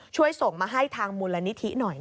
ช่วยส่งมาให้ทางมูลนิธิหน่อย